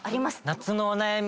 夏のお悩み。